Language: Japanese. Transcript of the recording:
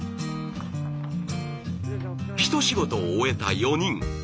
一仕事を終えた４人。